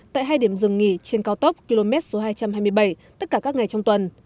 tại hai điểm dừng nghỉ trên cao tốc km hai trăm hai mươi bảy tất cả các ngày trong tuần